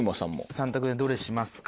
３択でどれしますか？